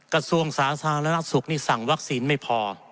กระทรวงศาสนาและนักศึกษ์นี่สั่งวัคซีนไม่พอ